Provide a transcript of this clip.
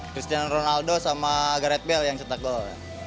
cristiano ronaldo sama gareth bale yang cetak gol